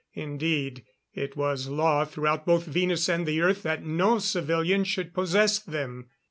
Indeed, it was law throughout both Venus and the Earth that no civilian should possess them.